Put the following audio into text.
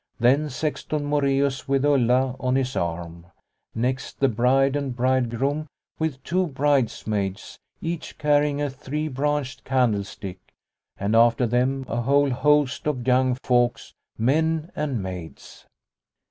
Then Sexton Moreus with Ulla on his arm. Next the bride and bridegroom with two bridesmaids each carrying a three branched candlestick, and after them a whole host of young folks, men and maids.